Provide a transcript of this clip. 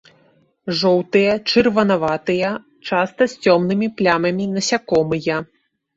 Жоўтыя, чырванаватыя, часта з цёмнымі плямамі насякомыя.